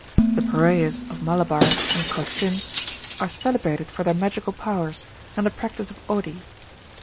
The Paraiyas of Malabar and Cochin are celebrated for their magical powers, and the practice of odi.